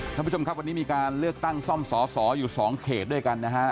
ท่านผู้ชมครับวันนี้มีการเลือกตั้งซ่อมสอสออยู่๒เขตด้วยกันนะฮะ